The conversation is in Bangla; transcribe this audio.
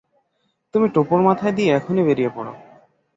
তুমি টোপর মাথায় দিয়ে এখনই বেরিয়ে পড়ো।